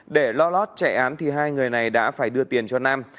để lo lót chạy án thì hai người này đã phải đưa tiền cho nam